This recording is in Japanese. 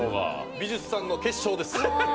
美術さんの結晶です。